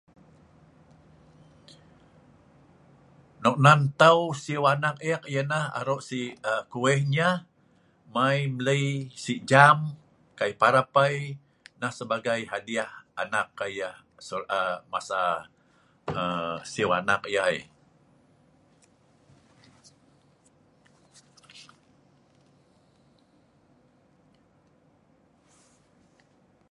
Nok an nteu' siew anak eek yeh nah'aro'si'kuih wet yeh mai mlei'jam kai parab ai' sebagai hadiah anak kai masa nah'.